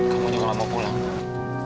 kamu juga kalau mau pulang